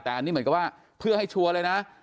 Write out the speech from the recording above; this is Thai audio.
แต่อันนี้เหมือนกับว่าเพื่อให้ชัวร์เลยนะ